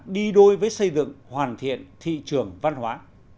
đi đôi với xây dựng hoàn thiện thị trường văn hóa